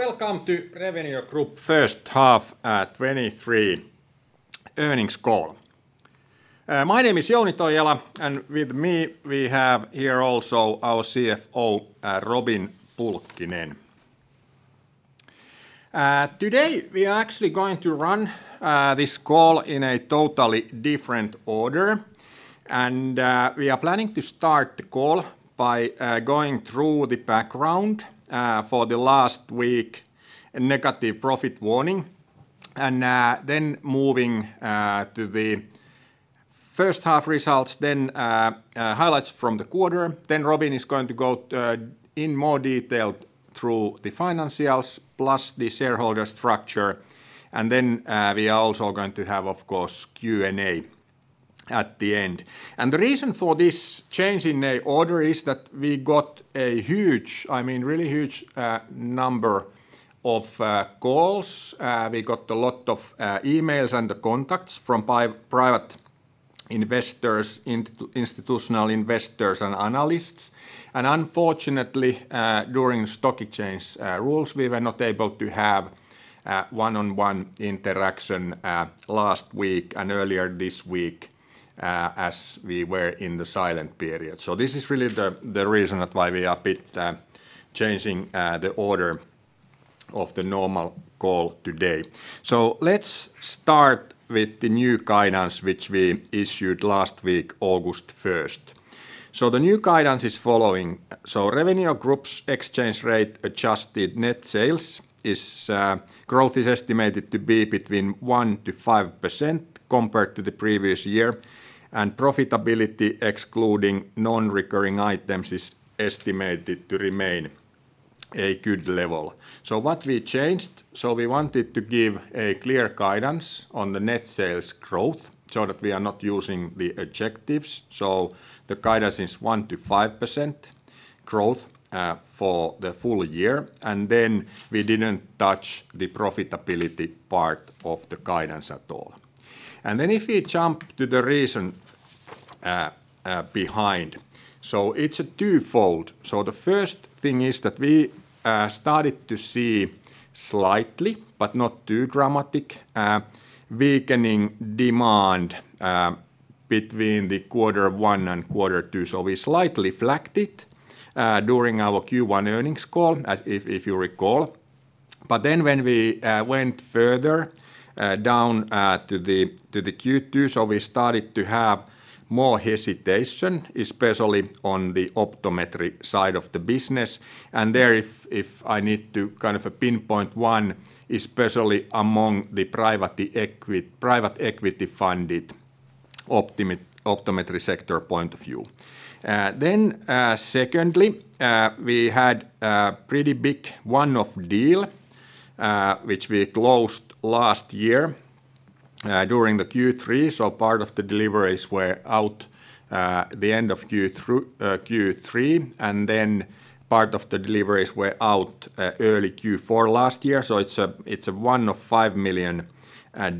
Welcome to Revenio Group first half 23 earnings call. My name is Jouni Toijala, and with me, we have here also our CFO, Robin Pulkkinen. Today, we are actually going to run this call in a totally different order, and we are planning to start the call by going through the background for the last week, a negative profit warning, and then moving to the first half results, then highlights from the quarter. Robin is going to go in more detail through the financials plus the shareholder structure, and then we are also going to have, of course, Q&A at the end. The reason for this change in the order is that we got a huge, I mean, really huge, number of calls. We got a lot of emails and the contacts from private investors, institutional investors, and analysts. Unfortunately, during stock exchange rules, we were not able to have one-on-one interaction last week and earlier this week, as we were in the silent period. This is really the, the reason that why we are a bit changing the order of the normal call today. Let's start with the new guidance, which we issued last week, August 1st. The new guidance is following: Revenio Group's exchange rate-adjusted net sales growth is estimated to be between 1%-5% compared to the previous year, and profitability, excluding non-recurring items, is estimated to remain a good level. What we changed, so we wanted to give a clear guidance on the net sales growth so that we are not using the adjectives. The guidance is 1%-5% growth for the full year. We didn't touch the profitability part of the guidance at all. If we jump to the reason behind, it's a 2-fold. The first thing is that we started to see slightly, but not too dramatic, weakening demand between the quarter 1 and quarter 2. We slightly flagged it during our Q1 earnings call, as if, if you recall. When we went further down to the Q2, we started to have more hesitation, especially on the optometry side of the business. There, if, if I need to kind of a pinpoint one, especially among the private equity-funded optometry sector point of view. Then, secondly, we had a pretty big one-off deal, which we closed last year, during the Q3, so part of the deliveries were out, the end of Q3, and then part of the deliveries were out, early Q4 last year. So it's a, it's a one-off 5 million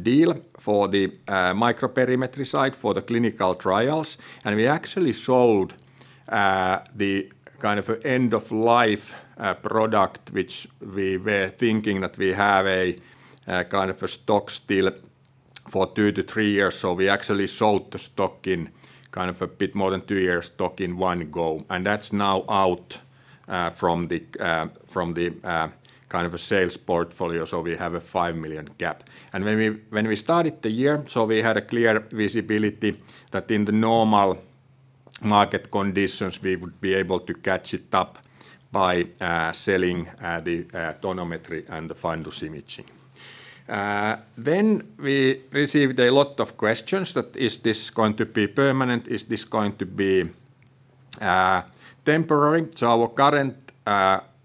deal for the microperimetry side, for the clinical trials. We actually sold the kind of end-of-life product, which we were thinking that we have a kind of a stock still for 2 to 3 years. We actually sold the stock in kind of a bit more than two years stock in one go, and that's now out from the from the kind of a sales portfolio, so we have a 5 million gap. When we, when we started the year, so we had a clear visibility that in the normal market conditions, we would be able to catch it up by selling the tonometry and the fundus imaging. We received a lot of questions that, "Is this going to be permanent? Is this going to be temporary? Our current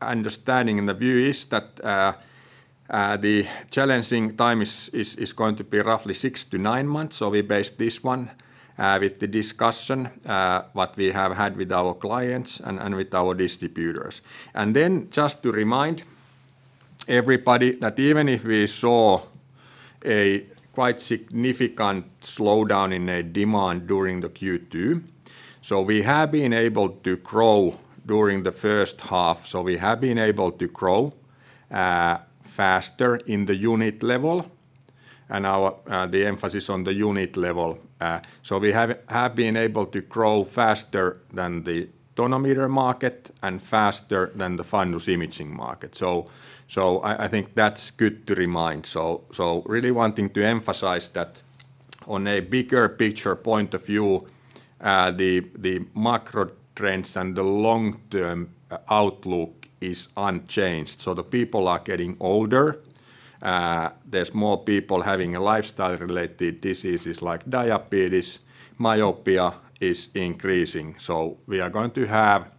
understanding and the view is that the challenging time is going to be roughly 6 to 9 months, so we based this one with the discussion what we have had with our clients and, and with our distributors. Then just to remind everybody that even if we saw a quite significant slowdown in a demand during the Q2, so we have been able to grow during the first half, so we have been able to grow faster in the unit level and our the emphasis on the unit level. We have been able to grow faster than the tonometer market and faster than the fundus imaging market. I think that's good to remind. Really wanting to emphasize that on a bigger picture point of view, the macro trends and the long-term outlook is unchanged. The people are getting older, there's more people having a lifestyle-related diseases like diabetes, myopia is increasing. We are going to have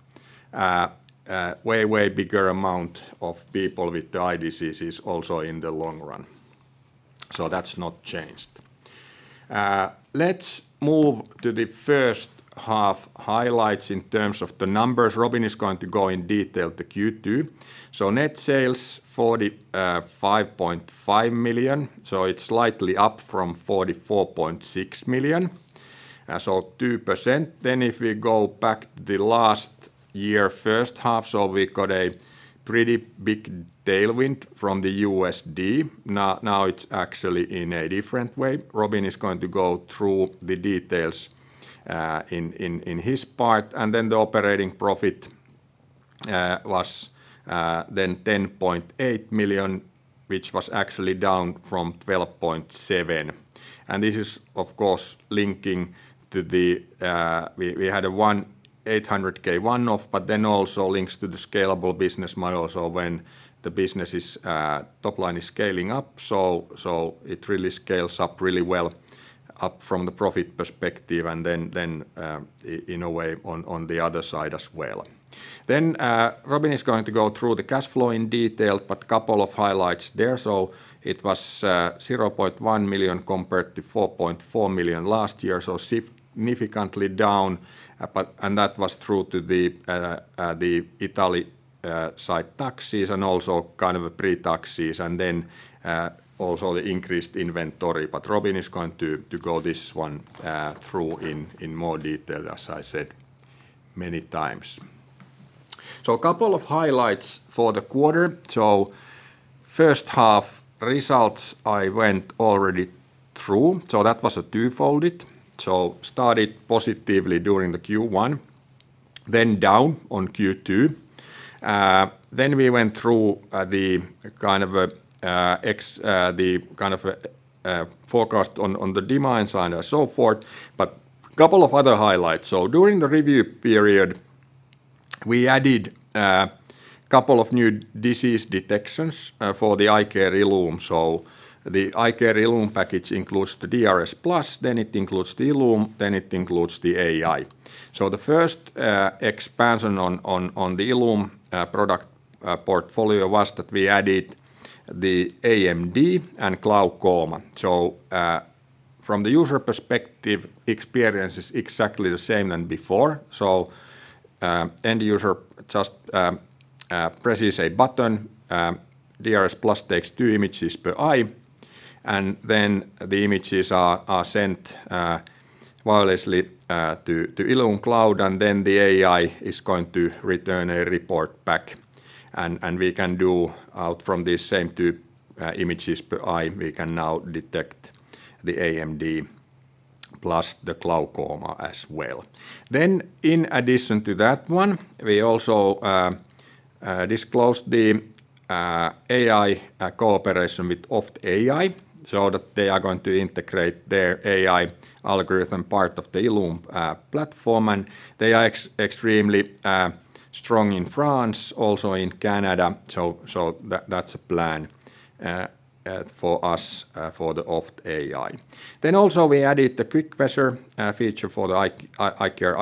a way, way bigger amount of people with eye diseases also in the long run. That's not changed. Let's move to the first half highlights in terms of the numbers. Robin is going to go in detail the Q2. Net sales 45.5 million, it's slightly up from 44.6 million, 2%. If we go back the last year first half, we've got a pretty big tailwind from the USD. Now, now it's actually in a different way. Robin is going to go through the details in, in, in his part. The operating profit was then 10.8 million, which was actually down from 12.7 million. This is, of course, linking to the... We, we had a 1,800k one-off, but then also links to the scalable business model. When the business is top line is scaling up, so, so it really scales up really well, up from the profit perspective, and then, then, i- in a way, on, on the other side as well. Robin is going to go through the cash flow in detail, but couple of highlights there. It was 0.1 million compared to 4.4 million last year, significantly down, and that was through to the Italy side taxes and also kind of a pre-taxes, and then also the increased inventory. Robin is going to go this one through in more detail, as I said many times. A couple of highlights for the quarter. First half results, I went already through, so that was a twofolded. Started positively during the Q1, then down on Q2. We went through the kind of forecast on the demand side and so forth, but a couple of other highlights. During the review period, we added couple of new disease detections for the iCare ILLUME. The iCare ILLUME package includes the iCare DRSplus, then it includes the iCare ILLUME, then it includes the AI. The first expansion on the iCare ILLUME product portfolio was that we added the AMD and glaucoma. From the user perspective, experience is exactly the same than before. End user just presses a button, iCare DRSplus takes 2 images per eye, and then the images are sent wirelessly to iCare ILLUME cloud, and then the AI is going to return a report back. We can do out from these same 2 images per eye, we can now detect the AMD plus the glaucoma as well. In addition to that one, we also disclosed the AI cooperation with OftAI, so that they are going to integrate their AI algorithm part of the iCare ILLUME platform, they are extremely strong in France, also in Canada, that's a plan for us for the OftAI. Also we added the Quick Measure feature for the iCare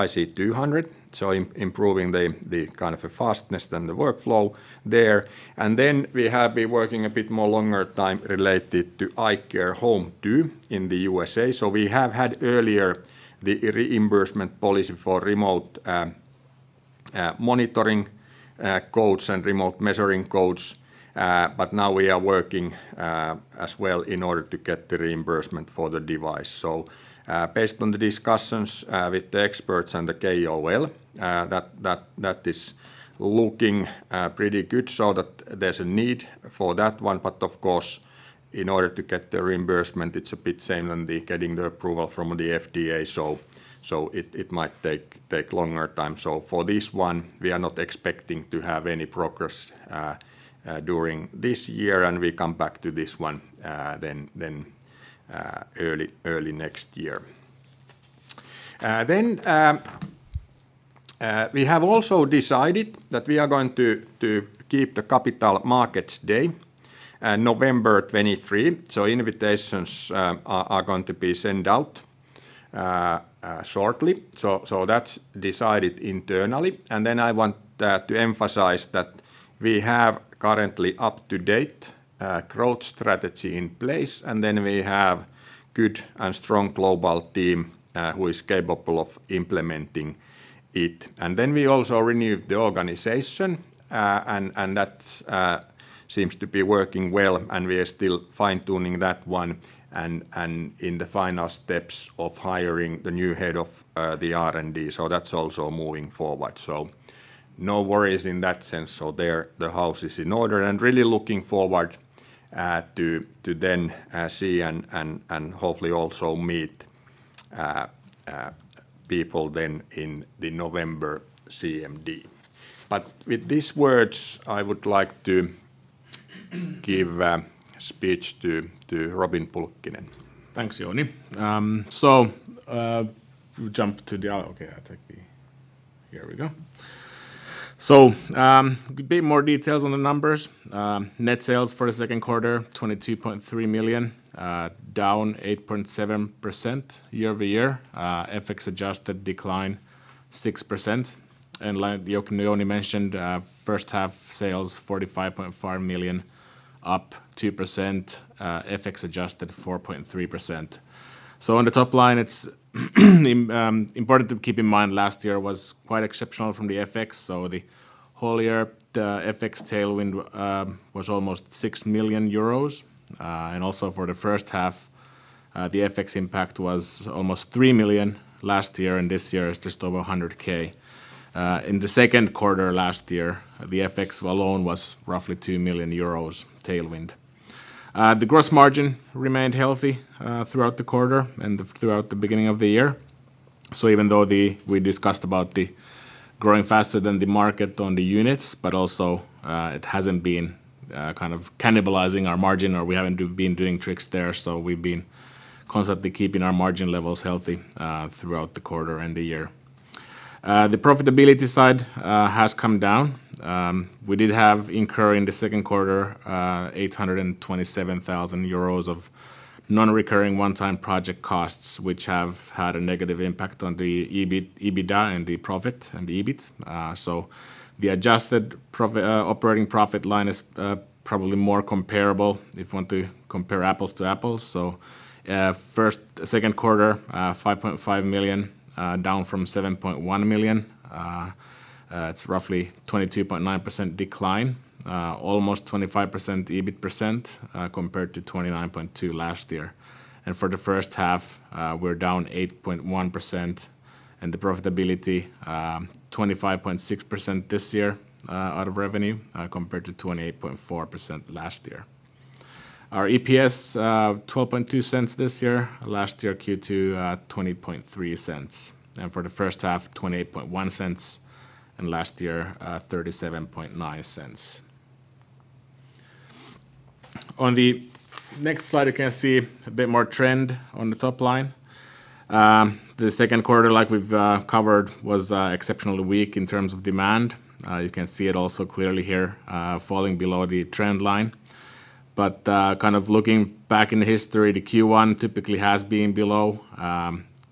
IC200, improving the kind of a fastness than the workflow there. We have been working a bit more longer time related to iCare HOME2 in the USA. We have had earlier the reimbursement policy for remote monitoring codes and remote measuring codes, now we are working as well in order to get the reimbursement for the device. Based on the discussions with the experts and the KOL, that, that, that is looking pretty good, so that there's a need for that one. Of course, in order to get the reimbursement, it's a bit same than the getting the approval from the FDA, so, so it, it might take, take longer time. For this one, we are not expecting to have any progress during this year, and we come back to this one then, then early, early next year. Then, we have also decided that we are going to, to keep the Capital Markets Day, November 23. Invitations are, are going to be sent out shortly. So that's decided internally. I want to emphasize that we have currently up-to-date growth strategy in place, and then we have good and strong global team who is capable of implementing it. We also renewed the organization, and that seems to be working well, and we are still fine-tuning that one and in the final steps of hiring the new head of the R&D. That's also moving forward. No worries in that sense. There, the house is in order, and really looking forward to then see and hopefully also meet people then in the November CMD. With these words, I would like to give a speech to Robin Pulkkinen. Thanks, Jouni. Okay, I take the. Here we go. A bit more details on the numbers. Net sales for the second quarter, 22.3 million, down 8.7% year-over-year. FX adjusted decline, 6%. Like Jouni mentioned, first half sales, 45.5 million, up 2%, FX adjusted 4.3%. On the top line, it's important to keep in mind last year was quite exceptional from the FX. The whole year, the FX tailwind was almost 6 million euros. Also for the first half, the FX impact was almost 3 million last year, and this year is just over 100K. In the second quarter last year, the FX alone was roughly 2 million euros tailwind. The gross margin remained healthy throughout the quarter and throughout the beginning of the year. Even though we discussed about the growing faster than the market on the units, but also, it hasn't been kind of cannibalizing our margin, or we haven't been doing tricks there. We've been constantly keeping our margin levels healthy throughout the quarter and the year. The profitability side has come down. We did have incur in the second quarter 827,000 euros of non-recurring one-time project costs, which have had a negative impact on the EBITDA and the profit and the EBIT. The adjusted operating profit line is probably more comparable if you want to compare apples to apples. First, second quarter, 5.5 million, down from 7.1 million. It's roughly 22.9% decline, almost 25% EBIT percent, compared to 29.2% last year. For the first half, we're down 8.1%, and the profitability, 25.6% this year, out of revenue, compared to 28.4% last year. Our EPS, 0.122 this year. Last year, Q2, 0.203, and for the first half, 0.281, and last year, 0.379. On the next slide, you can see a bit more trend on the top line. The second quarter, like we've covered, was exceptionally weak in terms of demand. You can see it also clearly here, falling below the trend line. Kind of looking back in the history, the Q1 typically has been below.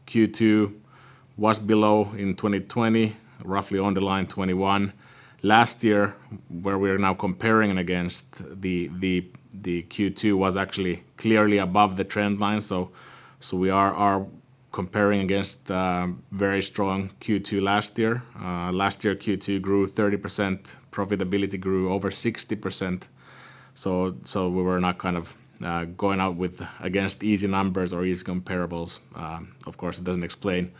Q2 was below in 2020, roughly on the line 2021. Last year, where we are now comparing against the Q2, was actually clearly above the trend line, so we are comparing against very strong Q2 last year. Last year, Q2 grew 30%, profitability grew over 60%. We were not kind of going out with against easy numbers or easy comparables. Of course, it doesn't explain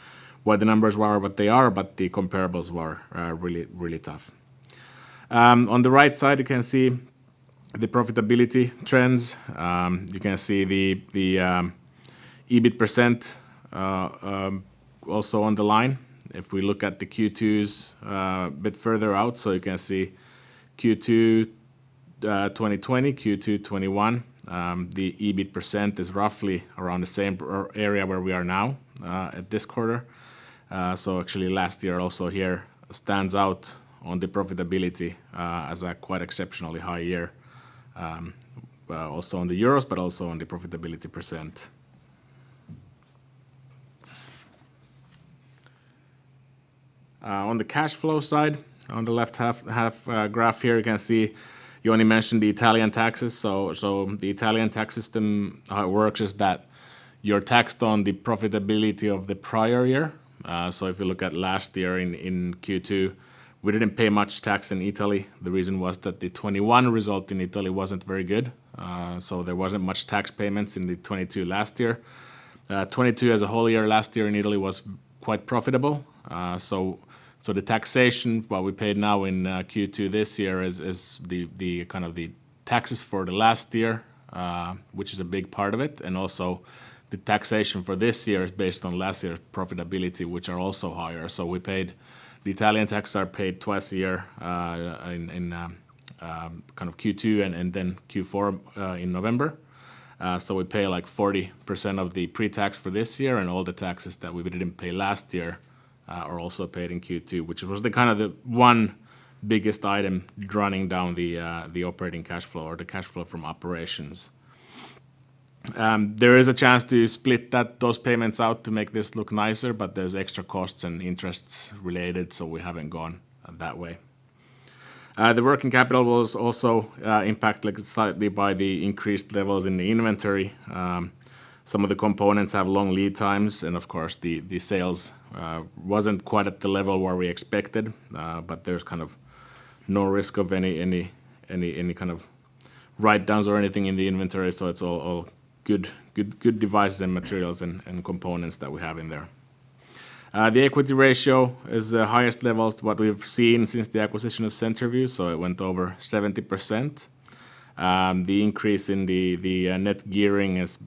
why the numbers were what they are, but the comparables were really, really tough. On the right side, you can see the profitability trends. You can see the EBIT %, also on the line. We look at the Q2s, a bit further out, you can see Q2 2020, Q2 2021, the EBIT % is roughly around the same area where we are now, at this quarter. Actually last year also here stands out on the profitability, as a quite exceptionally high year, also on the euros, but also on the profitability %. On the cash flow side, on the left half graph here, you can see. Jouni mentioned the Italian taxes. The Italian tax system works is that you're taxed on the profitability of the prior year. If you look at last year in Q2, we didn't pay much tax in Italy. The reason was that the 2021 result in Italy wasn't very good, so there wasn't much tax payments in the 2022 last year. 2022 as a whole year, last year in Italy was quite profitable. The taxation, what we paid now in Q2 this year is, is the, the kind of the taxes for the last year, which is a big part of it. Also, the taxation for this year is based on last year's profitability, which are also higher. We paid-- the Italian taxes are paid twice a year, in, in kind of Q2 and, and then Q4, in November. We pay, like, 40% of the pre-tax for this year, and all the taxes that we didn't pay last year, are also paid in Q2, which was the kind of the one biggest item running down the operating cash flow or the cash flow from operations. There is a chance to split those payments out to make this look nicer, but there's extra costs and interests related, so we haven't gone that way. The working capital was also impacted slightly by the increased levels in the inventory. Some of the components have long lead times, and of course, the sales wasn't quite at the level where we expected, but there's kind of no risk of any, any, any, any kind of write-downs or anything in the inventory. It's all, all good, good, good devices and materials and components that we have in there. The equity ratio is the highest levels what we've seen since the acquisition of CenterVue, it went over 70%. The increase in the net gearing is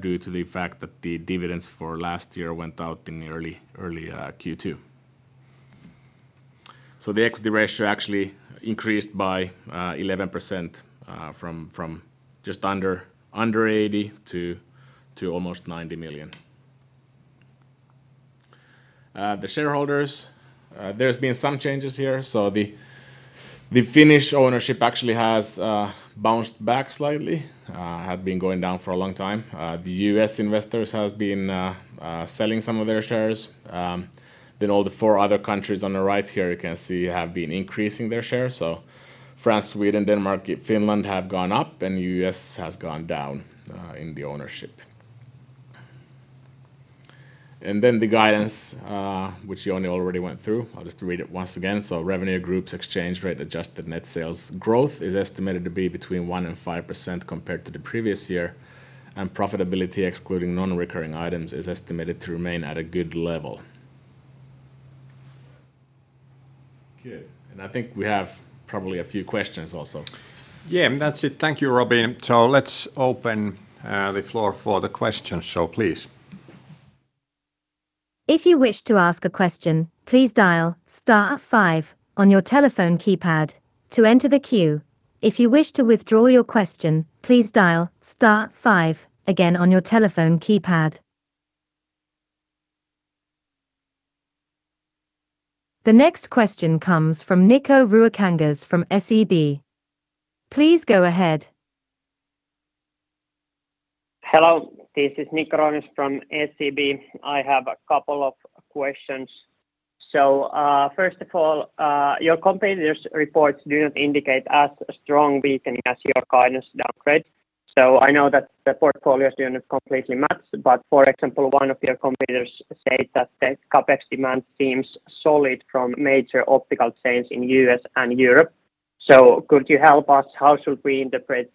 due to the fact that the dividends for last year went out in early, early Q2. The equity ratio actually increased by 11% from just under 80 to almost 90 million. The shareholders, there's been some changes here. The Finnish ownership actually has bounced back slightly, had been going down for a long time. The U.S. investors has been selling some of their shares. All the 4 other countries on the right here, you can see, have been increasing their shares. France, Sweden, Denmark, Finland have gone up, and US has gone down in the ownership. The guidance, which Jouni already went through, I'll just read it once again. Revenio Group's exchange rate, adjusted net sales growth is estimated to be between 1% and 5% compared to the previous year, and profitability, excluding non-recurring items, is estimated to remain at a good level. Good. I think we have probably a few questions also. Yeah, that's it. Thank you, Robin. Let's open the floor for the questions. Please. If you wish to ask a question, please dial star five on your telephone keypad to enter the queue. If you wish to withdraw your question, please dial star five again on your telephone keypad. The next question comes from Nikko Ruokangas from SEB. Please go ahead. Hello, this is Nikko Ruokangas from SEB. I have a couple of questions. First of all, your competitors' reports do not indicate as strong weakening as your guidance downgrade. I know that the portfolios do not completely match, but for example, one of your competitors state that the CapEx demand seems solid from major optical chains in US and Europe. Could you help us, how should we interpret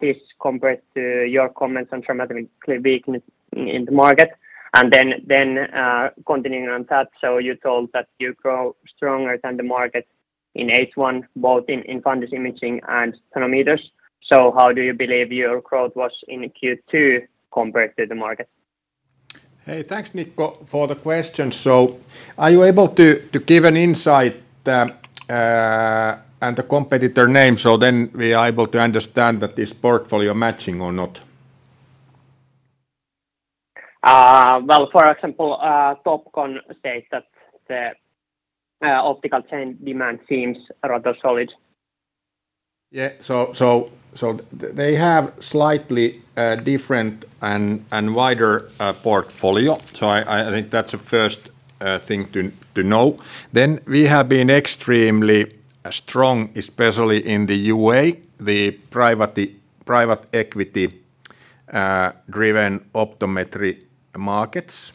this compared to your comments on dramatically weakness in the market? Then, continuing on that, you told that you grow stronger than the market in H1, both in fundus imaging and tonometers. How do you believe your growth was in Q2 compared to the market? Hey, thanks, Nico, for the question. Are you able to, to give an insight and the competitor name, so then we are able to understand that this portfolio matching or not? Well, for example, Topcon states that the optical chain demand seems rather solid. Yeah. They have slightly different and wider portfolio. I think that's the first thing to know. We have been extremely strong, especially in the UA, the private equity driven optometry markets.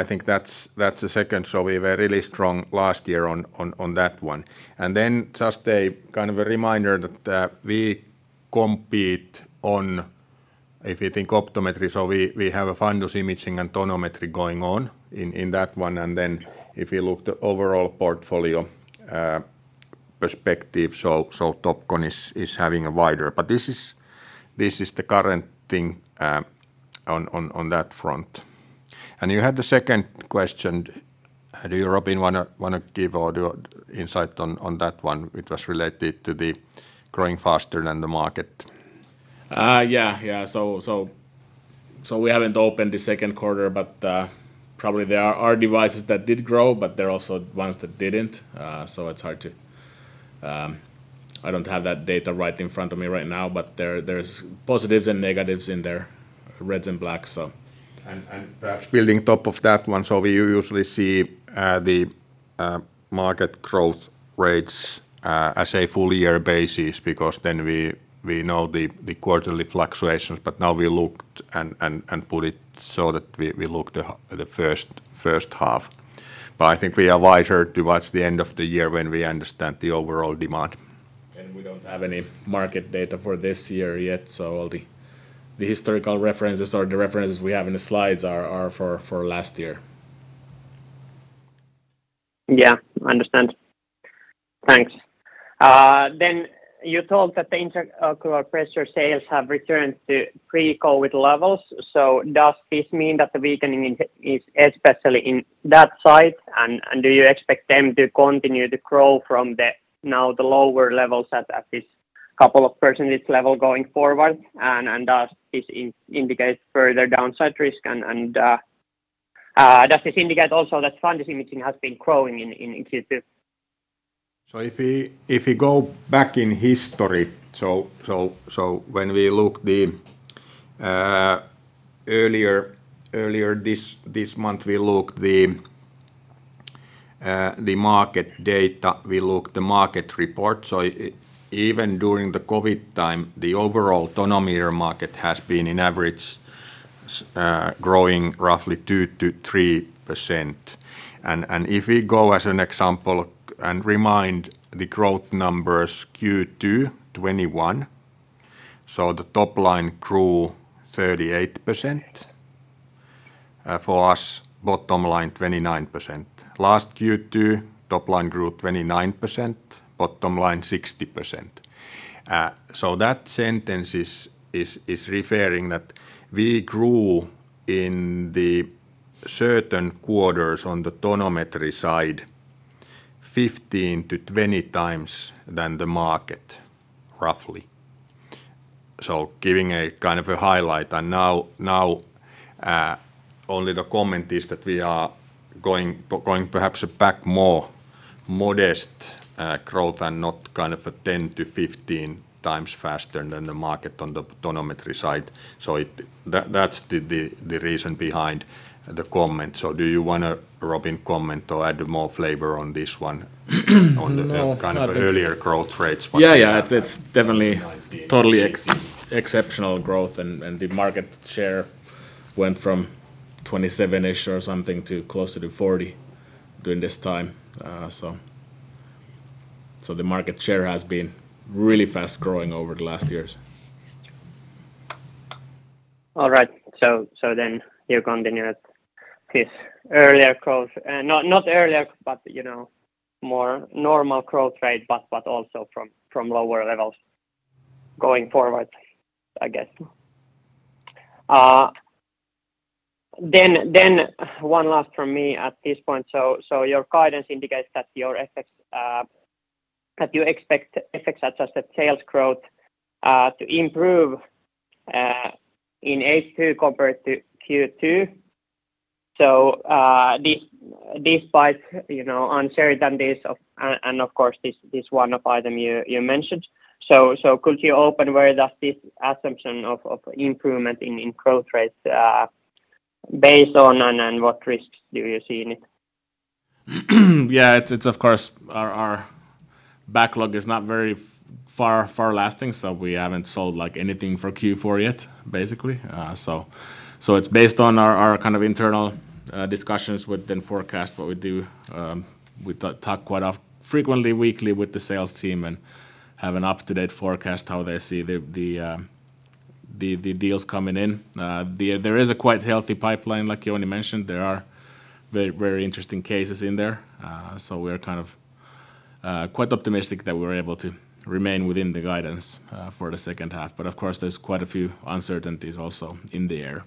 I think that's the second. We were really strong last year on that one. Just a kind of a reminder that we compete on, if you think optometry, so we have a fundus imaging and tonometry going on in that one. If you look the overall portfolio perspective, Topcon is having a wider... This is the current thing on that front. You had the second question. Do you, Robin, wanna give or do insight on that one, which was related to the growing faster than the market? Yeah, yeah. We haven't opened the second quarter, but probably there are devices that did grow, but there are also ones that didn't. It's hard to... I don't have that data right in front of me right now, but there, there's positives and negatives in there, reds and blacks. And perhaps building top of that one, so we usually see the market growth rates as a full year basis, because then we know the quarterly fluctuations. Now we looked and put it so that we looked at the first half. I think we are wiser towards the end of the year when we understand the overall demand. We don't have any market data for this year yet, so all the, the historical references or the references we have in the slides are, are for, for last year. Yeah, I understand. Thanks. Then you thought that the intraocular pressure sales have returned to pre-COVID levels. Does this mean that the weakening is, is especially in that side, and do you expect them to continue to grow from the, now, the lower levels at, at this couple of percentage level going forward? Does this indicate further downside risk, and does this indicate also that fundus imaging has been growing in, in, in Q2? If we, if we go back in history, when we look the earlier, earlier this, this month, we looked the market data, we looked the market report. Even during the COVID time, the overall tonometer market has been, in average, growing roughly 2%-3%. If we go as an example and remind the growth numbers, Q2 2021, the top line grew 38%. For us, bottom line, 29%. Last Q2, top line grew 29%, bottom line, 60%. That sentence referring that we grew in the certain quarters on the tonometry side 15 to 20 times than the market, roughly. Giving a kind of a highlight, and now, now, only the comment is that we are going, going perhaps back more modest growth and not kind of a 10-15 times faster than the market on the tonometry side. That, that's the, the, the reason behind the comment. Do you wanna, Robin, comment or add more flavor on this one? No kind of earlier growth rates? Yeah, yeah, it's definitely totally exceptional growth, and, and the market share went from 27-ish or something to closer to 40 during this time, so, so the market share has been really fast-growing over the last years. All right. Then you continue this earlier growth- not, not earlier, but, you know, more normal growth rate, but, but also from, from lower levels going forward, I guess. Then, then one last from me at this point. Your guidance indicates that your FX, that you expect FX adjusted sales growth, to improve in H2 compared to Q2. Despite, you know, uncertainties of, and, and of course, this, this one-off item you, you mentioned. Could you open where does this assumption of, of improvement in, in growth rates, based on, and, and what risks do you see in it? Yeah, it's, it's of course, our, our backlog is not very far, far lasting, so we haven't sold like anything for Q4 yet, basically. so, so it's based on our, our kind of internal discussions within forecast, but we do, we talk quite frequently weekly with the sales team and have an up-to-date forecast how they see the, the deals coming in. there is a quite healthy pipeline, like Jouni mentioned. There are very, very interesting cases in there. so we're kind of quite optimistic that we're able to remain within the guidance for the second half. But of course, there's quite a few uncertainties also in the air.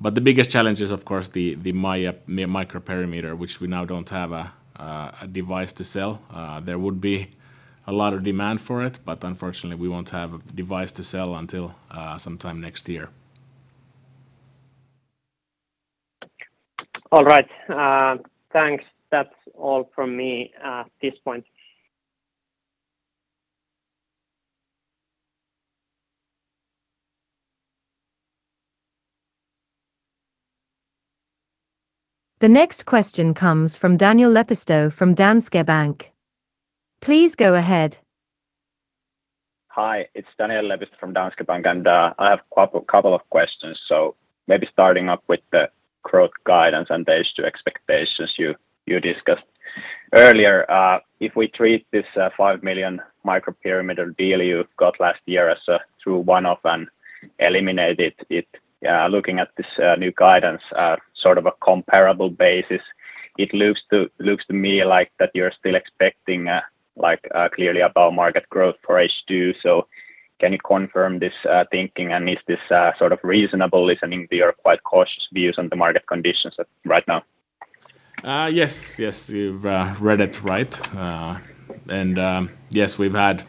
But the biggest challenge is, of course, the, the MAIA microperimeter, which we now don't have a device to sell. There would be a lot of demand for it, but unfortunately, we won't have a device to sell until sometime next year. All right. Thanks. That's all from me at this point. The next question comes from Daniel Lepistö from Danske Bank. Please go ahead. Hi, it's Daniel Lepistö from Danske Bank, I have a couple of questions. Maybe starting up with the growth guidance and the H2 expectations you, you discussed earlier. If we treat this $5 million microperimeter deal you got last year as through one-off and eliminated it, looking at this new guidance, sort of a comparable basis, it looks to, looks to me like that you're still expecting, like, clearly above market growth for H2. Can you confirm this thinking, and is this sort of reasonable, listening to your quite cautious views on the market conditions right now? Yes, yes, you've read it right. Yes, we've had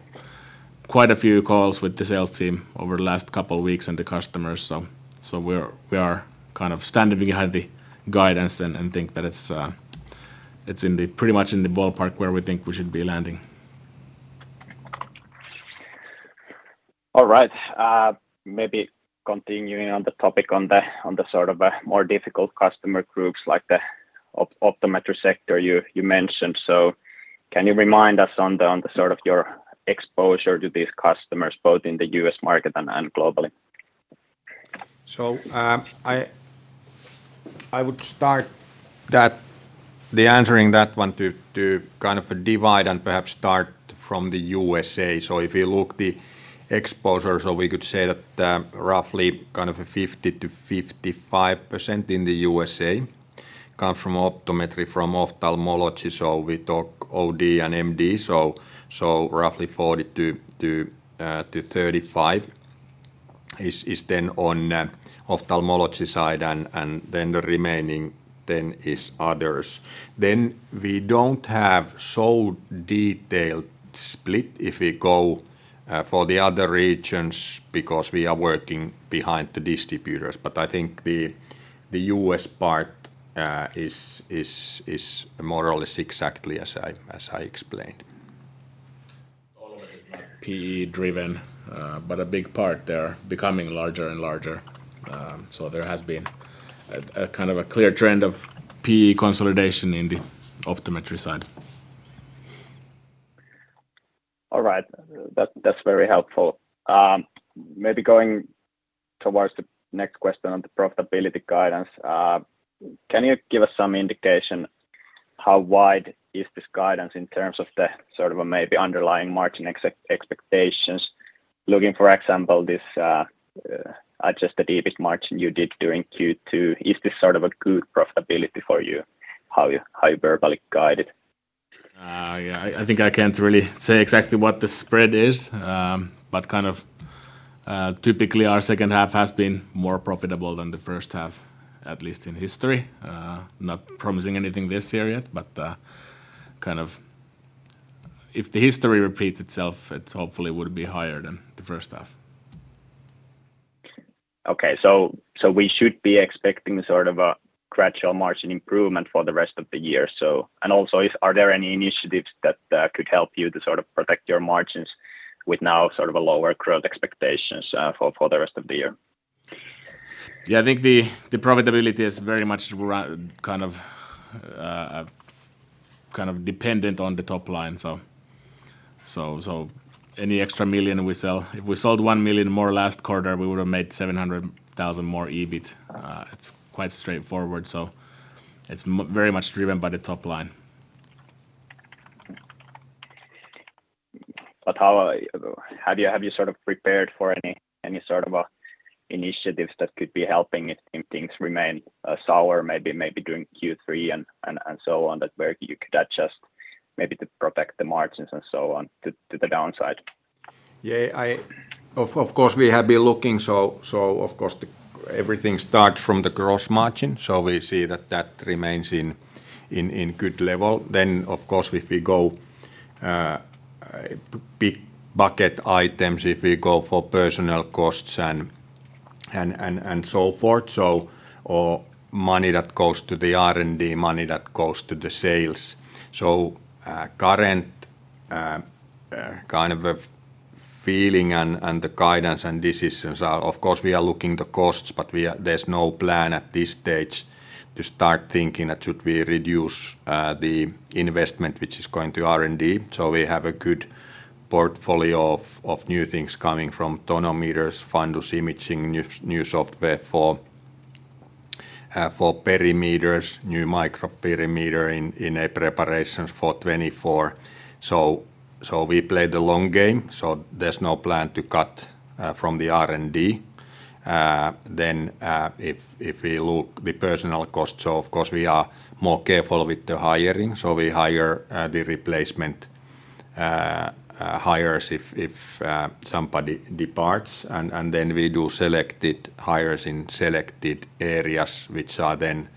quite a few calls with the sales team over the last couple of weeks, and the customers, we are kind of standing behind the guidance and think that it's, it's in the pretty much in the ballpark where we think we should be landing. All right. maybe continuing on the topic on the, on the sort of, more difficult customer groups like the optometry sector you, you mentioned. Can you remind us on the, on the sort of your exposure to these customers, both in the US market and, and globally? I, I would start that. The answering that one to kind of divide and perhaps start from the USA. If you look the exposure, we could say that roughly kind of a 50%-55% in the USA come from optometry, from ophthalmology, so we talk OD and MD. Roughly 40%-35% is then on ophthalmology side, and then the remaining then is others. We don't have so detailed split if we go for the other regions because we are working behind the distributors. I think the US part is more or less exactly as I explained. All of it is not PE-driven, but a big part, they're becoming larger and larger. There has been a kind of a clear trend of PE consolidation in the optometry side. All right. That, that's very helpful. Maybe going towards the next question on the profitability guidance. Can you give us some indication how wide is this guidance in terms of the sort of a maybe underlying margin expectations? Looking, for example, this, adjusted EBIT margin you did during Q2, is this sort of a good profitability for you, how you, how you verbally guide it? Yeah, I, I think I can't really say exactly what the spread is, but kind of, typically, our second half has been more profitable than the first half, at least in history. Not promising anything this year yet, but, kind of if the history repeats itself, it hopefully would be higher than the first half. Okay, so we should be expecting sort of a gradual margin improvement for the rest of the year. Also, are there any initiatives that could help you to sort of protect your margins with now sort of a lower growth expectations for, for the rest of the year? Yeah, I think the, the profitability is very much around, kind of, kind of dependent on the top line. Any extra million we sell, if we sold $1 million more last quarter, we would have made $700,000 more EBIT. It's quite straightforward, so it's very much driven by the top line. How have you, have you sort of prepared for any, any sort of initiatives that could be helping if, if things remain sour, maybe, maybe during Q3 and, and, and so on, that where you could adjust maybe to protect the margins and so on to, to the downside? Yeah, of course, we have been looking, so of course, everything starts from the gross margin, so we see that that remains in good level. Of course, if we go big bucket items, if we go for personal costs and so forth. Money that goes to the R&D, money that goes to the sales. Current kind of a feeling and the guidance and decisions are, of course, we are looking the costs, but there's no plan at this stage to start thinking that should we reduce the investment which is going to R&D. We have a good portfolio of new things coming from tonometers, fundus imaging, new software for perimeters, new microperimeter in a preparation for 2024. So we play the long game, so there's no plan to cut from the R&D. If we look the personal costs, so of course, we are more careful with the hiring. We hire the replacement hires if somebody departs, and then we do selected hires in selected areas, which are then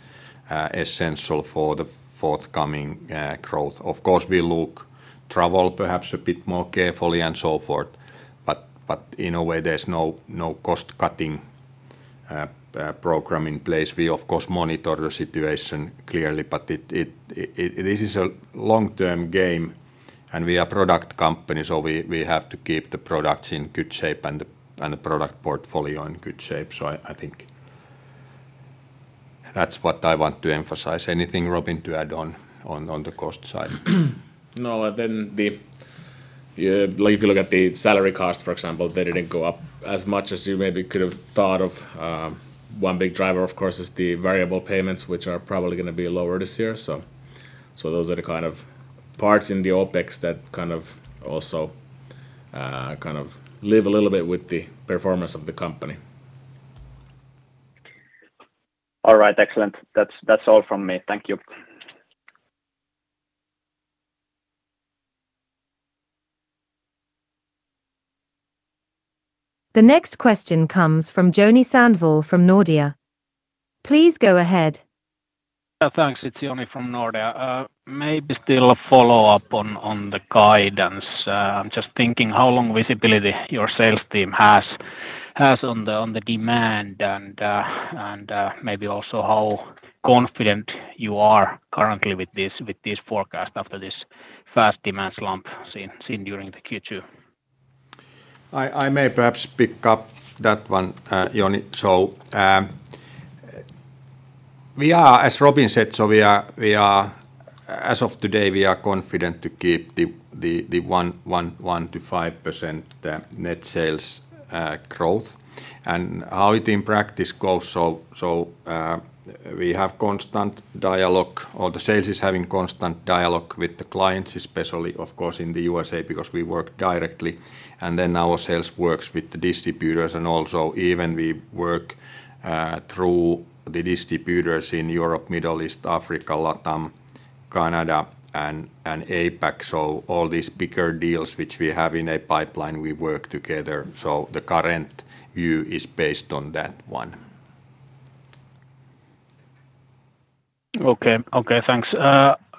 essential for the forthcoming growth. Of course, we look travel perhaps a bit more carefully and so forth, but in a way, there's no cost-cutting program in place. We of course monitor the situation clearly. This is a long-term game, and we are a product company, so we have to keep the products in good shape and the product portfolio in good shape. I, I think that's what I want to emphasize. Anything, Robin, to add on, on, on the cost side? Then the, like if you look at the salary cost, for example, they didn't go up as much as you maybe could have thought of. One big driver, of course, is the variable payments, which are probably gonna be lower this year. So those are the kind of parts in the OpEx that kind of also, kind of live a little bit with the performance of the company. All right. Excellent. That's, that's all from me. Thank you. The next question comes from Joni Sandvall from Nordea. Please go ahead. Yeah, thanks. It's Joni from Nordea. Maybe still a follow-up on, on the guidance. I'm just thinking, how long visibility your sales team has, has on the, on the demand, and, and, maybe also how confident you are currently with this, with this forecast after this first demand slump seen, seen during the Q2? I, I may perhaps pick up that one, Joni. We are, as Robin said, as of today, we are confident to keep the 1-5% net sales growth. How it in practice goes, we have constant dialogue, or the sales is having constant dialogue with the clients, especially, of course, in the USA, because we work directly. Then our sales works with the distributors and also even we work through the distributors in Europe, Middle East, Africa, LATAM, Canada, and APAC. All these bigger deals which we have in a pipeline, we work together, so the current view is based on that one. Okay. Okay, thanks.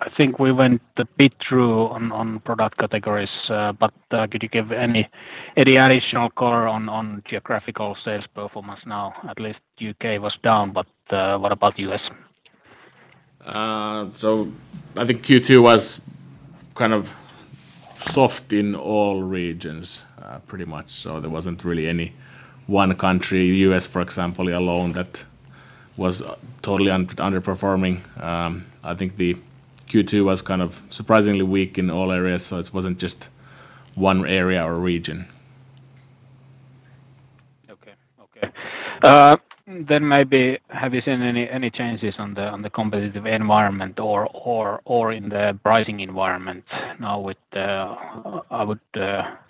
I think we went a bit through on, on product categories, but could you give any additional color on, on geographical sales performance now? At least UK was down, but what about US? I think Q2 was kind of soft in all regions, pretty much. There wasn't really any one country, US, for example, alone, that was totally underperforming. I think the Q2 was kind of surprisingly weak in all areas, so it wasn't just one area or region. Okay. Okay. Maybe have you seen any, any changes on the, on the competitive environment or, or, or in the pricing environment now with the... I would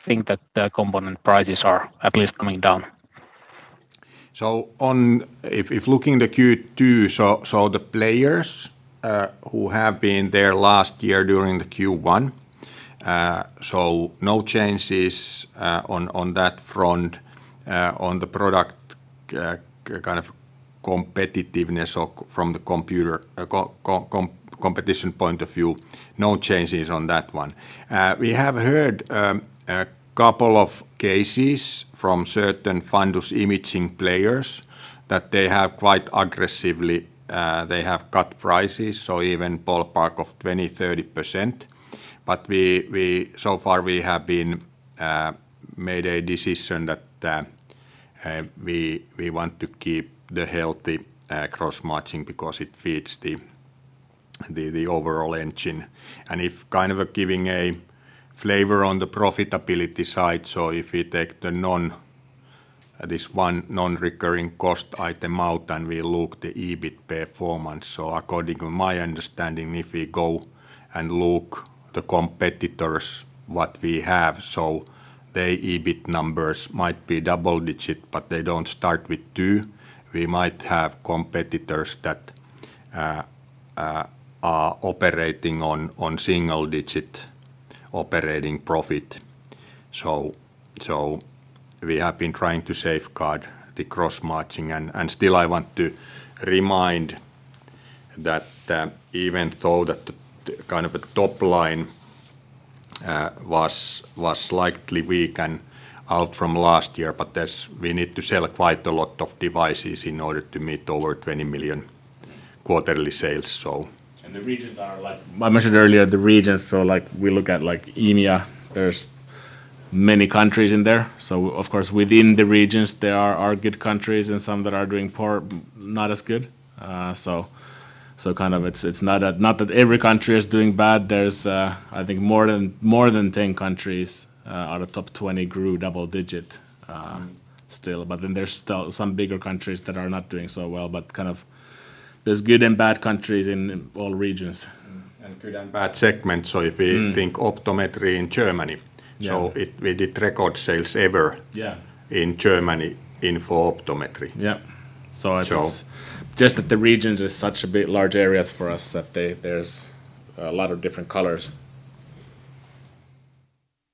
think that the component prices are at least coming down. On... If, if looking the Q2, the players who have been there last year during the Q1, no changes on that front, on the product kind of competitiveness or from the computer competition point of view, no changes on that one. We have heard a couple of cases from certain fundus imaging players that they have quite aggressively they have cut prices, so even ballpark of 20%, 30%. We so far we have been made a decision that we want to keep the healthy cross-matching because it fits the overall engine. If kind of giving a flavor on the profitability side, if we take the non- this one non-recurring cost item out, and we look the EBIT performance. According to my understanding, if we go and look the competitors, what we have, the EBIT numbers might be double digit, but they don't start with two. We might have competitors that are operating on single digit operating profit. We have been trying to safeguard the cross-matching. Still, I want to remind that even though that the kind of a top line was slightly weak and out from last year, but there's we need to sell quite a lot of devices in order to meet over 20 million quarterly sales. The regions are like... I mentioned earlier, the regions, so, like, we look at, like, EMEA, there's many countries in there. Of course, within the regions, there are, are good countries and some that are doing poor, not as good. So, so kind of it's, it's not that, not that every country is doing bad. There's, I think more than 10 countries out of top 20 grew double-digit still. Then there's still some bigger countries that are not doing so well, but kind of there's good and bad countries in, in all regions. Mm-hmm. And good and bad segments. Mm think optometry in Germany. Yeah... so it, we did record sales ever- Yeah... in Germany for optometry. Yeah. So- Just that the regions are such a big large areas for us, that there's a lot of different colors.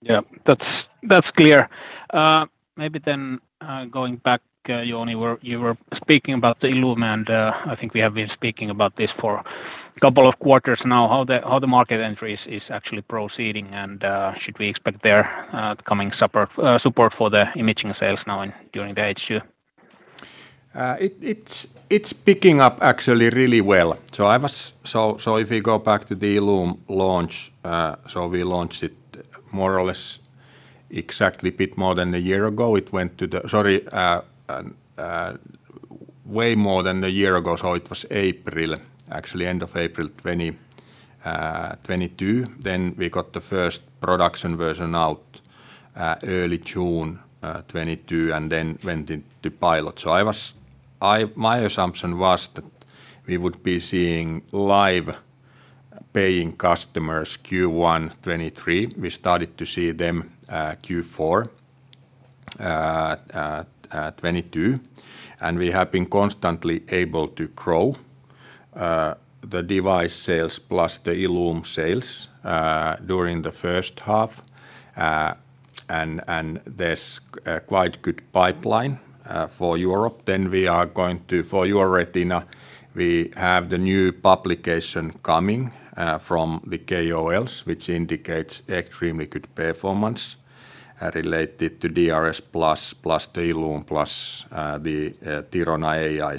Yeah, that's, that's clear. Maybe then, going back, Jouni, you were, you were speaking about the Illume, and, I think we have been speaking about this for 2 quarters now. How the, how the market entry is, is actually proceeding, and, should we expect their, coming supper, support for the imaging sales now in, during the H2? It's, it's, it's picking up actually really well. If we go back to the iCare ILLUME launch, we launched it more or less exactly a bit more than a year ago. Way more than a year ago, it was April, actually end of April, 2022. We got the first production version out early June 2022, went into pilot. My assumption was that we would be seeing live paying customers Q1 2023. We started to see them Q4 2022, we have been constantly able to grow the device sales plus the iCare ILLUME sales during the first half. There's a quite good pipeline for Europe. We are going to, for EURETINA, we have the new publication coming from the KOLs, which indicates extremely good performance related to DRS Plus, plus the ILLUME, plus the Thirona AI.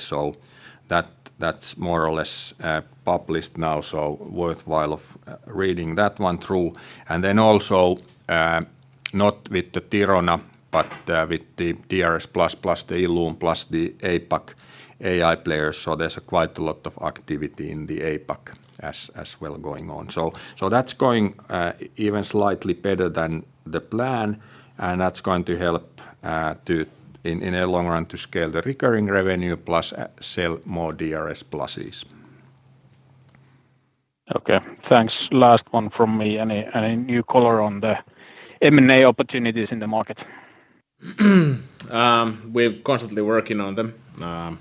That, that's more or less published now, so worthwhile of reading that one through. Also, not with the Thirona, but with the DRS Plus, plus the ILLUME, plus the APAC AI players. There's quite a lot of activity in the APAC as, as well going on. That's going even slightly better than the plan, and that's going to help to... in, in the long run, to scale the recurring revenue, plus sell more DRS Pluses. Okay, thanks. Last one from me. Any new color on the M&A opportunities in the market? We're constantly working on them.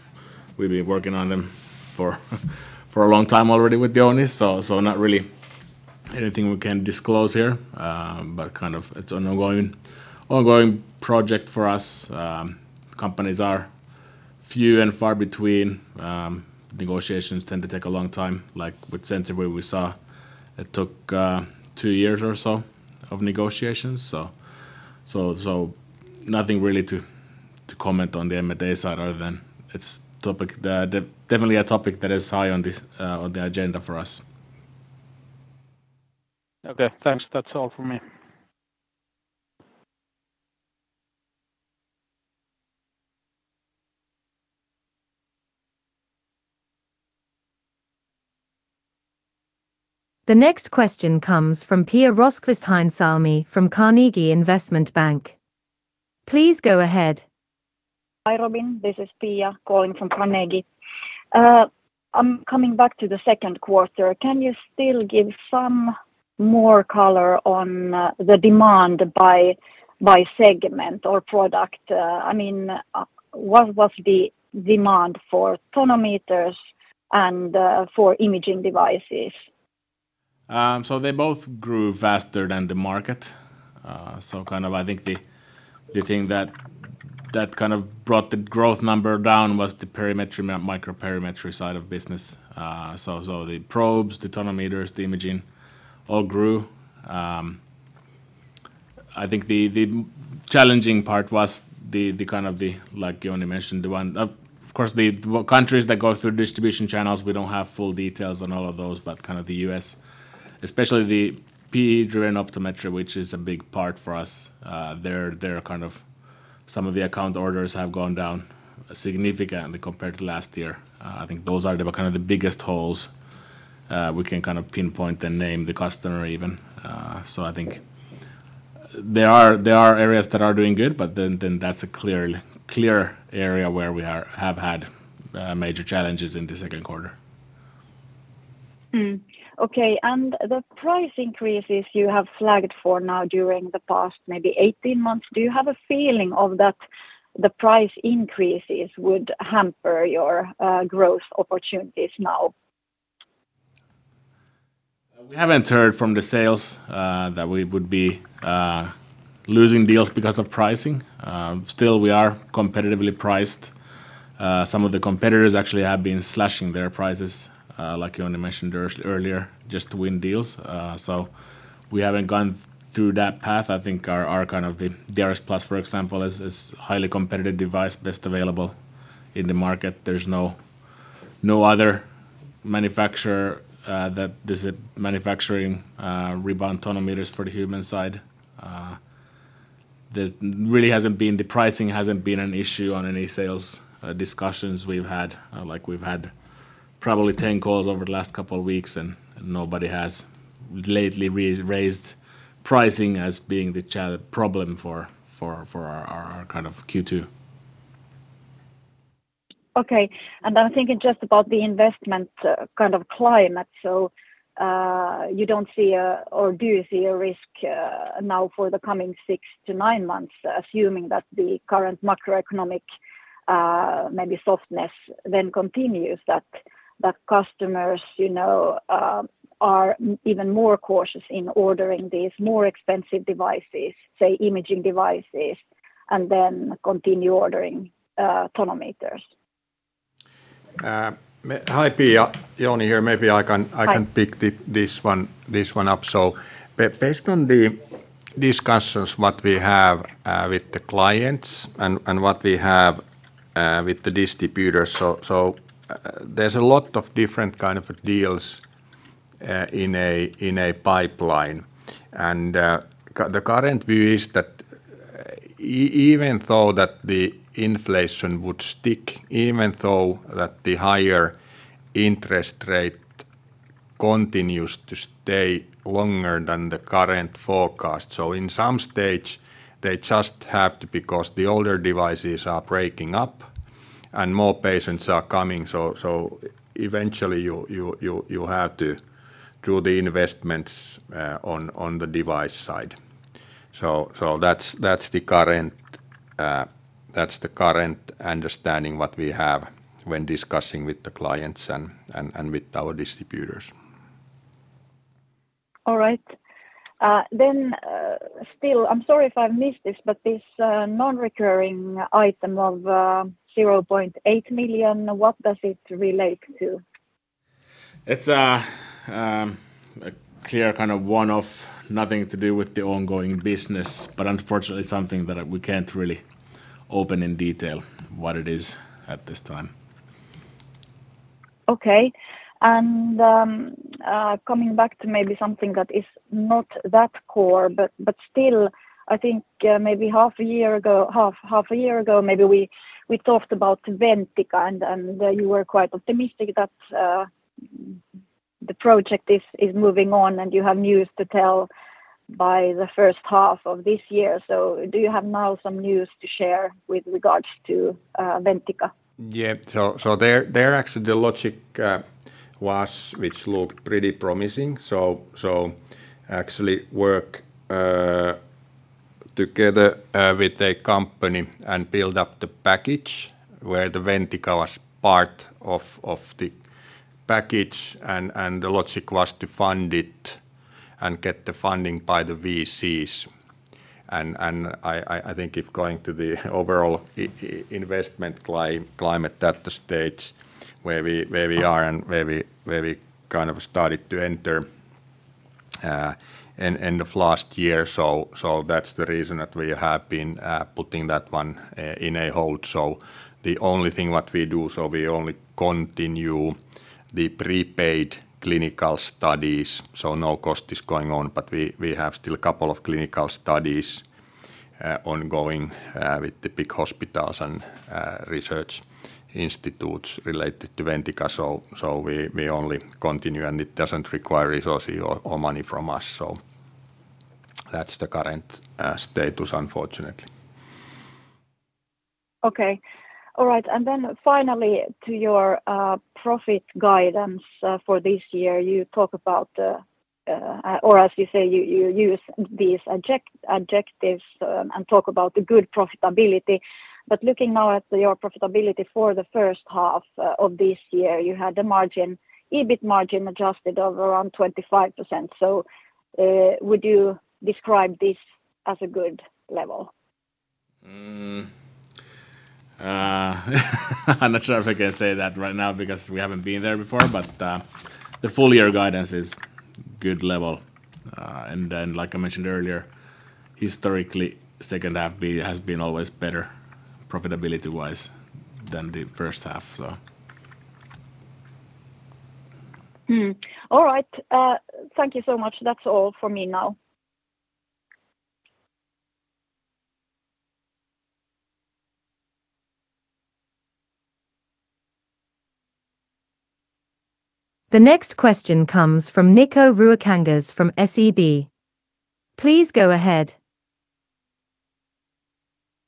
We've been working on them for, for a long time already with Jouni, so, so not really anything we can disclose here, but kind of it's ongoing, ongoing project for us. Companies are few and far between. Negotiations tend to take a long time, like with Senseye we saw it took two years or so of negotiations. Nothing really to, to comment on the M&A side, other than it's topic that, definitely a topic that is high on the agenda for us. Okay, thanks. That's all for me. The next question comes from Pia Rosqvist-Heinsalmi from Carnegie Investment Bank. Please go ahead. Hi, Robin. This is Pia calling from Carnegie. I'm coming back to the second quarter. Can you still give some more color on the demand by, by segment or product? I mean, what was the demand for tonometers and for imaging devices? They both grew faster than the market. Kind of I think the, the thing that, that kind of brought the growth number down was the perimetry, microperimetry side of business. The probes, the tonometers, the imaging, all grew. I think the, the challenging part was the, the kind of the, like Jouni mentioned. Of course, the countries that go through distribution channels, we don't have full details on all of those. Kind of the US, especially the PE-driven optometry, which is a big part for us, some of the account orders have gone down significantly compared to last year. I think those are the kind of the biggest holes, we can kind of pinpoint and name the customer even. I think there are, there are areas that are doing good, but then, then that's a clearly clear area where we have had major challenges in the second quarter. Okay, the price increases you have flagged for now during the past maybe 18 months, do you have a feeling of that the price increases would hamper your growth opportunities now? We haven't heard from the sales that we would be losing deals because of pricing. Still we are competitively priced. Some of the competitors actually have been slashing their prices like Jouni mentioned earlier, just to win deals. We haven't gone through that path. I think our, our kind of the iCare DRSplus, for example, is, is highly competitive device, best available in the market. There's no, no other manufacturer that is manufacturing rebound tonometers for the human side. There really hasn't been... the pricing hasn't been an issue on any sales discussions we've had. Like we've had probably 10 calls over the last couple of weeks, and nobody has lately raised pricing as being the problem for, for, for our, our kind of Q2. Okay. I'm thinking just about the investment, kind of climate. You don't see a, or do you see a risk, now for the coming six to nine months, assuming that the current macroeconomic, maybe softness then continues, that the customers, you know, are even more cautious in ordering these more expensive devices, say, imaging devices, and then continue ordering, tonometers? Hi, Pia. Jouni here. Maybe I can- Hi... I can pick this one, this one up. Based on the discussions, what we have with the clients and, and what we have with the distributors, so, so, there's a lot of different kind of deals in a pipeline. The current view is that even though that the inflation would stick, even though that the higher interest rate continues to stay longer than the current forecast, so in some stage, they just have to, because the older devices are breaking up and more patients are coming. So eventually, you, you, you, you have to do the investments on, on the device side. So, that's, that's the current, that's the current understanding what we have when discussing with the clients and, and, and with our distributors. All right. Still, I'm sorry if I've missed this, but this non-recurring item of 0.8 million, what does it relate to? It's a, a clear kind of one-off, nothing to do with the ongoing business, but unfortunately, something that we can't really open in detail what it is at this time. Okay. Coming back to maybe something that is not that core, but, but still, I think, maybe half a year ago, half, half a year ago, maybe we, we talked about Ventica, and, and you were quite optimistic that, the project is, is moving on, and you have news to tell by the first half of this year. Do you have now some news to share with regards to, Ventica? Yeah. There, there actually the logic was, which looked pretty promising. Actually work together with a company and build up the package where the Ventica was part of the package, the logic was to fund it and get the funding by the VCs. I, I, I think if going to the overall investment climate at the stage where we, where we are and where we, where we kind of started to enter in end of last year, that's the reason that we have been putting that one in a hold. The only thing what we do, so we only continue the prepaid clinical studies, so no cost is going on, but we, we have still a couple of clinical studies ongoing with the big hospitals and research institutes related to Ventica. We, we only continue, and it doesn't require resources or, or money from us. That's the current status, unfortunately. Okay. All right, then finally, to your profit guidance for this year, you talk about, or as you say, you use these adjectives, and talk about the good profitability. Looking now at your profitability for the first half of this year, you had the margin, EBIT margin adjusted of around 25%. Would you describe this as a good level? I'm not sure if I can say that right now because we haven't been there before, but the full year guidance is good level. Then, like I mentioned earlier, historically, second half has been always better, profitability-wise, than the first half, so. Hmm. All right, thank you so much. That's all for me now. The next question comes from Nikko Ruokangas from SEB. Please go ahead.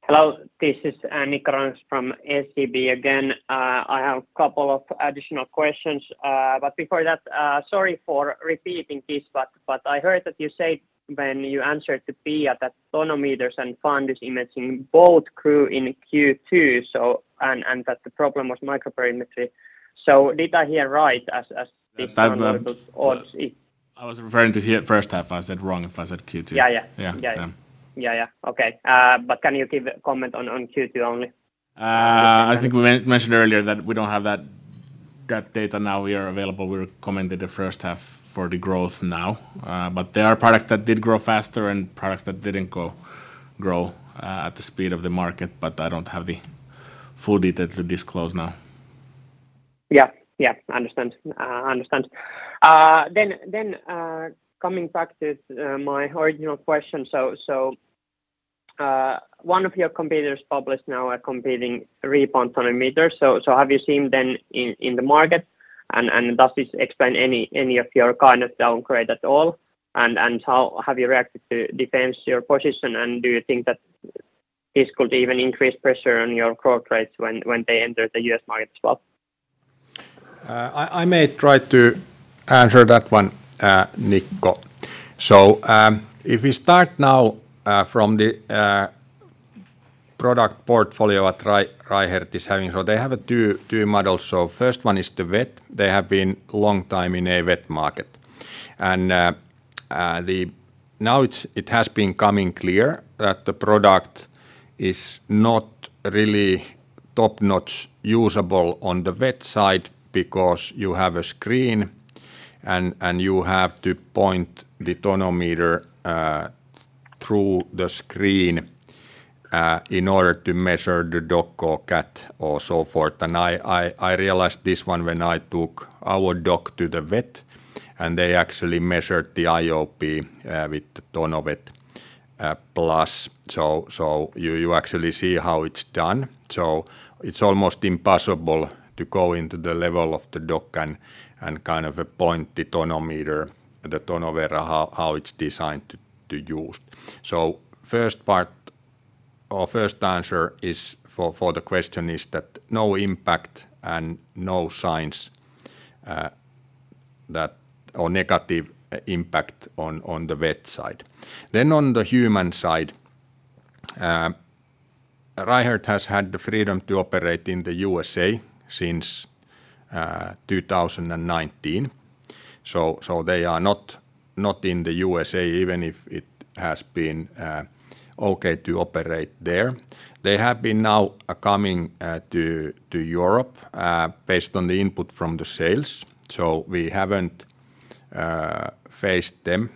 Hello, this is Nikko Ruokangas from SEB again. I have a couple of additional questions. Before that, sorry for repeating this, but I heard that you said when you answered to Pia that tonometers and fundus imaging both grew in Q2, so, and that the problem was microperimetry. Did I hear right? That- or is it? I was referring to here first half, I said wrong if I said Q2. Yeah, yeah. Yeah. Yeah, yeah. Yeah, yeah. Okay. Can you give a comment on, on Q2 only? I think we mentioned earlier that we don't have that, that data now we are available. We recommended the first half for the growth now. But there are products that did grow faster and products that didn't grow at the speed of the market, but I don't have the full detail to disclose now. Yeah. Yeah, understand. Understand. Coming back to my original question. One of your competitors published now a competing rebound tonometers. Have you seen them in, in the market? Does this explain any, any of your kind of downgrade at all? How have you reacted to defense your position, and do you think that this could even increase pressure on your growth rates when, when they enter the US market as well? I, I may try to answer that one, Nico. If we start now from the product portfolio that Reichert Technologies is having, they have 2, 2 models. First one is the vet. They have been long time in a vet market. Now, it has been coming clear that the product is not really top-notch usable on the vet side because you have a screen, and, and you have to point the tonometer through the screen in order to measure the dog or cat or so forth. I, I, I realized this one when I took our dog to the vet, and they actually measured the IOP with the TONOVET Plus. You, you actually see how it's done. It's almost impossible to go into the level of the dog and, and kind of appoint the tonometer, the TONOVET, how it's designed to, to use. First part or first answer is for the question is that no impact and no signs that or negative impact on the vet side. On the human side, Reichert has had the freedom to operate in the USA since 2019. They are not in the USA, even if it has been okay to operate there. They have been now coming to Europe based on the input from the sales. We haven't faced them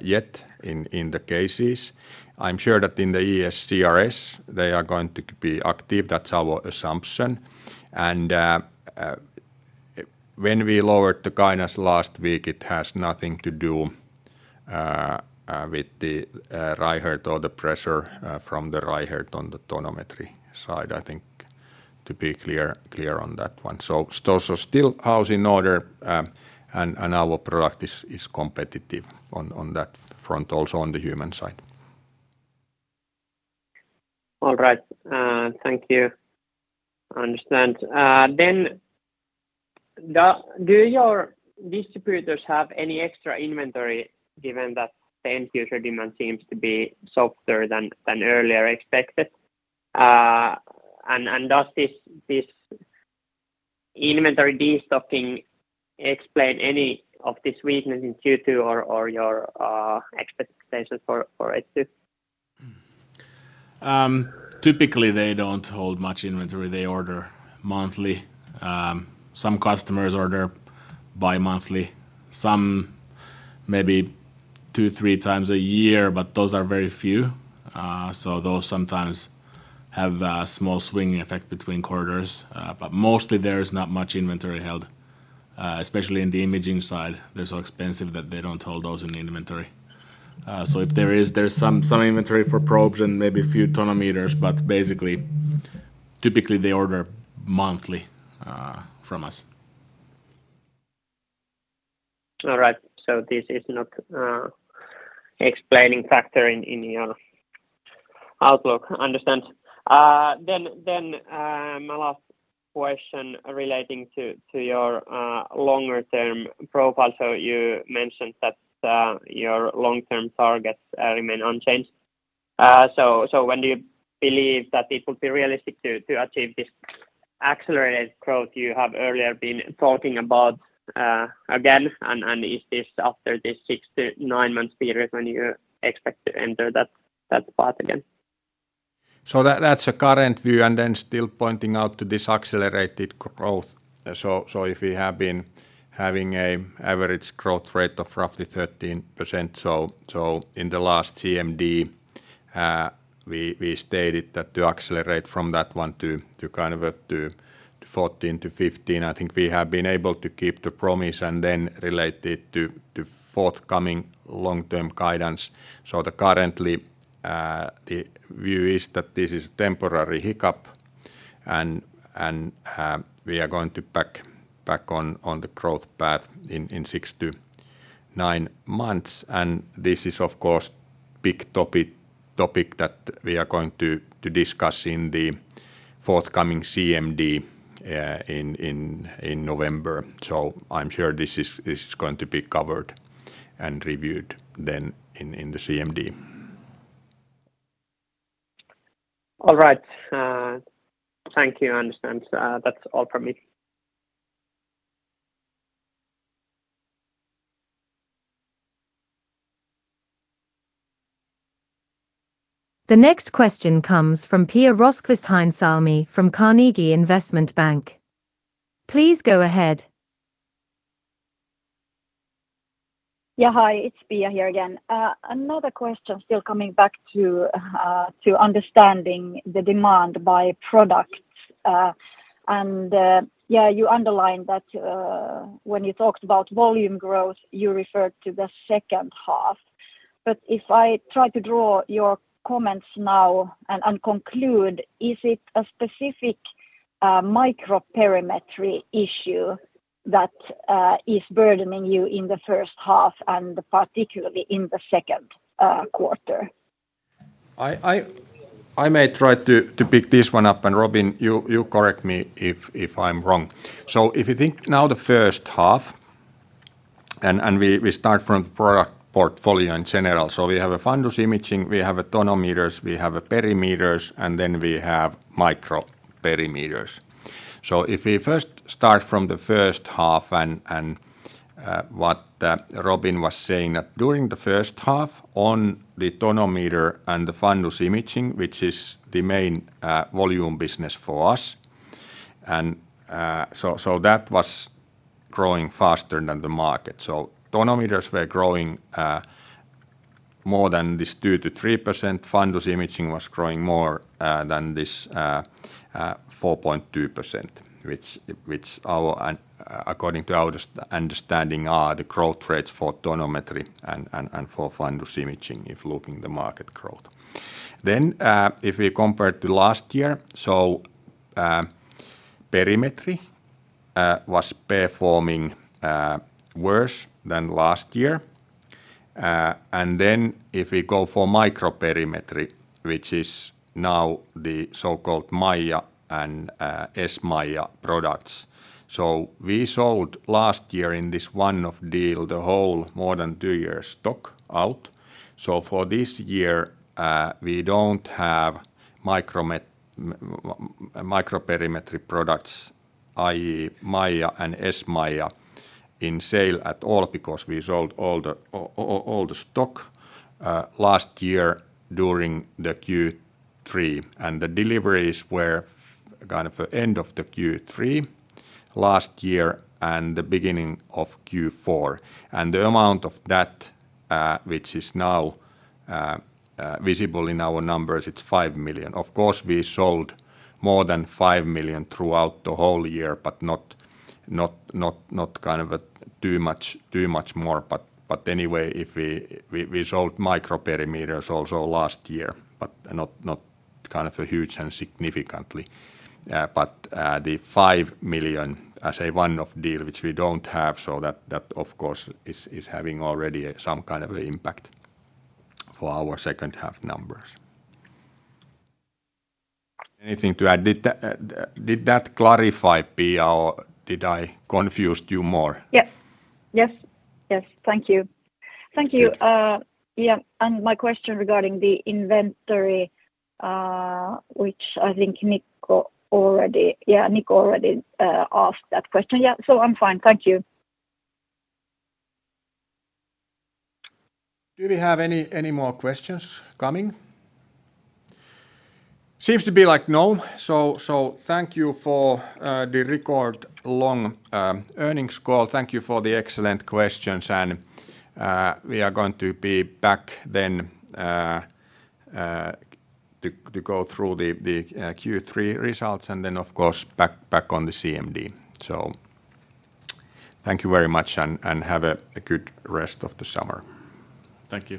yet in the cases. I'm sure that in the ESCRS, they are going to be active. That's our assumption. When we lowered the guidance last week, it has nothing to do with the Reichert or the pressure from the Reichert on the tonometry side, I think, to be clear clear on that one. Those are still house in order, and and our product is is competitive on on that front, also on the human side. All right. Thank you. Understand. Do, do your distributors have any extra inventory, given that the end user demand seems to be softer than, than earlier expected? Does this, this inventory destocking explain any of this weakness in Q2 or, or your expectations for, for H2? Typically, they don't hold much inventory. They order monthly. Some customers order bi-monthly, some maybe 2, 3 times a year, but those are very few. Those sometimes have a small swing effect between quarters, but mostly, there is not much inventory held, especially in the imaging side. They're so expensive that they don't hold those in the inventory. If there is, there's some inventory for probes and maybe a few tonometers, but basically, typically, they order monthly from us. All right. This is not explaining factor in, in your outlook. Understand. Then, then, my last question relating to, to your longer term profile. You mentioned that your long-term targets remain unchanged. When do you believe that it would be realistic to, to achieve this accelerated growth you have earlier been talking about again, and, and is this after this 6-9 months period when you expect to enter that, that path again? That- that's a current view. Then still pointing out to this accelerated growth. If we have been having a average growth rate of roughly 13%, in the last CMD-... We stated that to accelerate from that one to kind of up to 14-15. I think we have been able to keep the promise and then relate it to forthcoming long-term guidance. Currently, the view is that this is temporary hiccup and we are going to back, back on the growth path in 6-9 months. This is, of course, big topic, topic that we are going to discuss in the forthcoming CMD in November. I'm sure this is going to be covered and reviewed then in the CMD. All right. Thank you, I understand. That's all from me. The next question comes from Pia Rosqvist-Heinsalmi from Carnegie Investment Bank. Please go ahead. Yeah, hi, it's Pia here again. Another question, still coming back to understanding the demand by products. Yeah, you underlined that when you talked about volume growth, you referred to the second half. If I try to draw your comments now and, and conclude, is it a specific microperimetry issue that is burdening you in the first half, and particularly in the second quarter? I, I, I may try to, to pick this one up, and Robin, you, you correct me if, if I'm wrong. If you think now the first half, and, and we, we start from product portfolio in general. We have a fundus imaging, we have a tonometers, we have a perimeters, and then we have microperimeters. If we first start from the first half, and, and what Robin was saying, that during the first half on the tonometer and the fundus imaging, which is the main volume business for us, and... That was growing faster than the market. Tonometers were growing more than this 2%-3%. Fundus imaging was growing more than this 4.2%, which, which our, and according to our just understanding, are the growth rates for tonometry and, and, and for fundus imaging, if looking the market growth. If we compare to last year, so perimetry was performing worse than last year. If we go for microperimetry, which is now the so-called iCare MAIA and iCare S-MAIA products. We sold last year in this one-off deal, the whole more than 2-year stock out. For this year, we don't have microperimetry products, i.e., iCare MAIA and iCare S-MAIA, in sale at all, because we sold all the stock last year during the Q3. The deliveries were kind of end of the Q3 last year and the beginning of Q4. The amount of that which is now visible in our numbers, it's 5 million. Of course, we sold more than 5 million throughout the whole year, but not, not, not, not kind of a too much, too much more. Anyway, if we. We, we sold microperimeters also last year, but not, not kind of a huge and significantly. The 5 million as a one-off deal, which we don't have, so that, that, of course, is, is having already some kind of impact for our second half numbers. Anything to add? Did that clarify, Pia, or did I confused you more? Yep. Yes. Yes, thank you. Thank you. Good. Yeah, and my question regarding the inventory, which I think Nikko already... Yeah, Nikko already asked that question. Yeah, so I'm fine. Thank you. Have any more questions coming? Seems to be like, no. Thank you for the record long earnings call. Thank you for the excellent questions. We are going to be back then to go through the Q3 results, and then, of course, back on the CMD. Thank you very much, and have a good rest of the summer. Thank you.